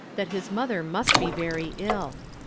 n timt his mother must be very ill.